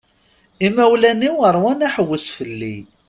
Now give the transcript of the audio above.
Imawlan-iw rwan aḥewwes fell-i.